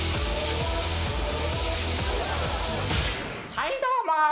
はいどうも！